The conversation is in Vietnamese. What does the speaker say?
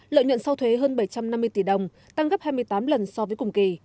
lợi nhuận sau thuế hơn bảy trăm năm mươi tỷ đồng tăng gấp hai mươi tám lần so với cùng kỳ